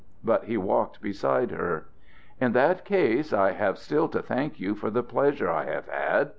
But he walked beside her. "In that case I have still to thank you for the pleasure I have had.